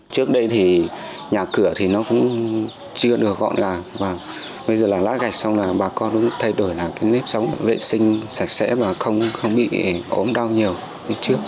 trước đây thì nhà cửa thì nó cũng chưa được gọi là bây giờ là lá gạch xong là bà con cũng thay đổi là cái nếp sống vệ sinh sạch sẽ và không bị ốm đau nhiều như trước